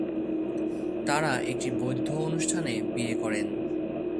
তারা একটি বৌদ্ধ অনুষ্ঠানে বিয়ে করেন।